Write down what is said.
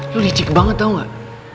lo licik banget tau gak